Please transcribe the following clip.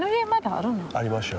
ありますよ。